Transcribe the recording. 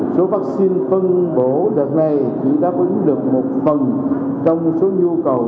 trung bố đợt này chỉ đáp ứng được một phần trong số nhu cầu